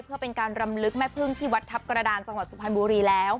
เพื่อเป็นการรำลึกแม่พึ่งที่วัดทัพกระดานจังหวัดสุพรรณบุรีแล้ว